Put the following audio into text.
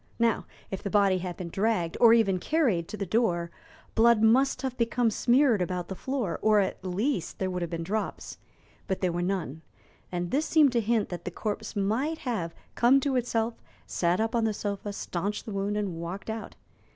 Now, if the body had been dragged, or even carried, to the door, blood must have become smeared about the floor, or at least there would have been drops, but there were none, and this seemed to hint that the corpse might have come to itself, sat up on the sofa, stanched the wound, and walked out.